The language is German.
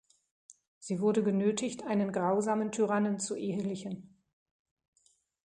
Sie wurde genötigt, einen grausamen Tyrannen zu ehelichen.